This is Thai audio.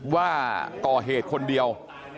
ว่าก่อเหตุคนเดียว